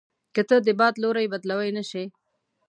که ته د باد لوری بدلوای نه شې.